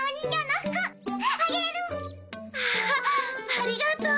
まあありがとう！